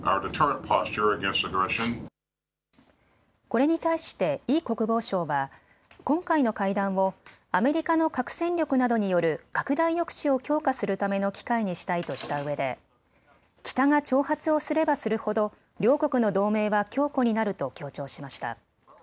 これに対してイ国防相は今回の会談をアメリカの核戦力などによる拡大抑止を強化するための機会にしたいとしたうえで北が挑発をすればするほど両国の同盟は強固になると強調しました。